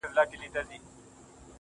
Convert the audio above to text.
ستا د سونډو د خندا په خاليگاه كـي.